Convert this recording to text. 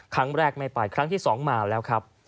ครั้งแรกไม่ไปครั้งที่๒มาแล้วครับ